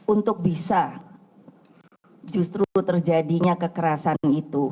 untuk bisa justru terjadinya kekerasan itu